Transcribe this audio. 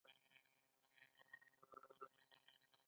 آیا مرکزي حکومت هم مالیه نه اخلي؟